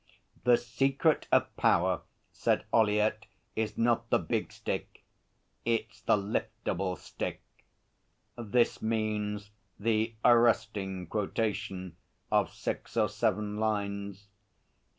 'The secret of power,' said Ollyett, 'is not the big stick. It's the liftable stick.' (This means the 'arresting' quotation of six or seven lines.)